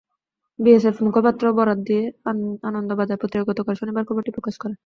BSF মুখপাত্রের বরাত দিয়ে আনন্দবাজার পত্রিকা গতকাল শনিবার খবরটি প্রকাশ করে।